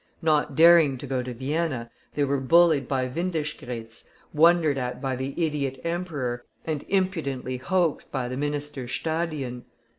Not daring to go to Vienna, they were bullied by Windischgrätz, wondered at by the idiot Emperor, and impudently hoaxed by the Minister Stadion.